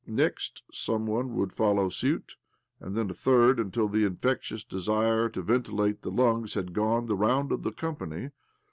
Next, some one would follow suit, and then a third, until the infectious desire to ventilate the lungs had gone the round of the company.